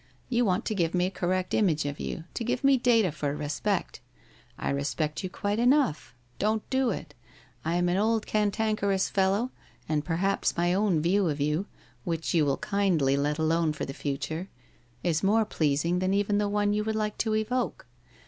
You want to give me a correct image of you, to give me data for respect. I respect you quite enough. Don't do it ! I am an old cantankerous fellow and perhaps my own view of you, which you will kindly let alone for the future, is more pleasing than even the one you would like to evoke.